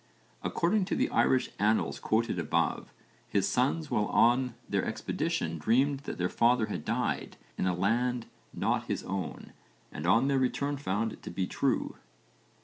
According to the Irish annals quoted above, his sons while on their expedition dreamed that their father had died in a land not his own and on their return found it to be true.